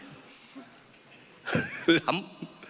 ล้ำ